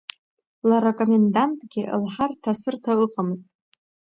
Лара акомендантгьы лҳарҭа-сырҭа ыҟамызт.